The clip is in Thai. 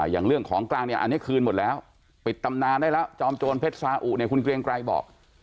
อย่างเรื่องของกลางเนี่ยอันนี้คืนหมดแล้วปิดตำนานได้แล้วจอมโจรเพชรสาอุเนี่ยคุณเกรียงไกรบอก